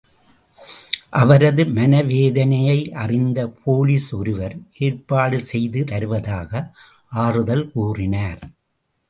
அவரது மனவேதனையை அறிந்த போலீஸ் ஒருவர் ஏற்பாடு செய்து தருவதாக ஆறுதல் கூறினார்.